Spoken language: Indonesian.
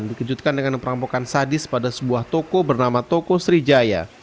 dikejutkan dengan perampokan sadis pada sebuah toko bernama toko sriwijaya